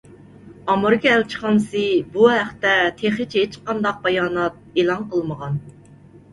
ئامېرىكا ئەلچىخانىسى بۇ ھەقتە تېخىچە ھېچقانداق بايانات ئېلان قىلمىغان.